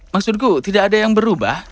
maksudku tidak ada yang berubah